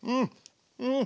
うん。